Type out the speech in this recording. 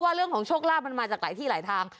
เรื่องของโชคลาภมันมาจากหลายที่หลายทาง